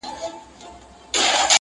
دایمی به یې وي برخه له ژوندونه؛؛!